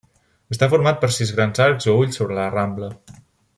Està format per sis grans arcs o ulls sobre la rambla.